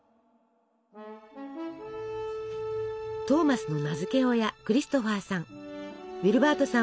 トーマスの名付け親クリストファーさん。